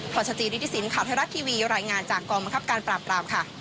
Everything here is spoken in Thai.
ชจีริธิสินข่าวไทยรัฐทีวีรายงานจากกองบังคับการปราบรามค่ะ